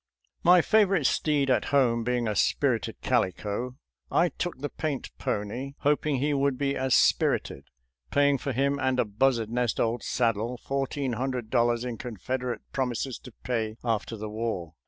••*«• My favorite steed at home being a spirited calico, I took the paint pony, hoping he would be as spirited, paying for him and a buzzard nest old saddle fourteen hundred dollars in Con federate promises to pay after the war.